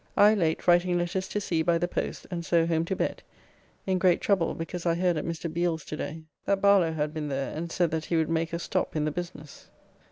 I late writing letters to sea by the post, and so home to bed. In great trouble because I heard at Mr. Beale's to day that Barlow had been there and said that he would make a stop in the business.